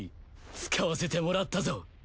使わせてもらったぞ。